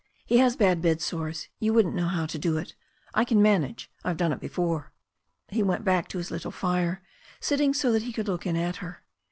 He has bad bedsores — ^you wouldn't know how to do it I can manage. I've done it before." He went back to his little fire, sitting so that he could look in at her.